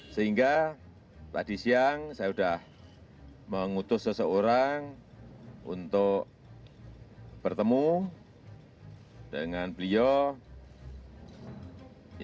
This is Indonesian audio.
sehingga tadi siang saya sudah mengutus seseorang untuk bertemu dengan beliau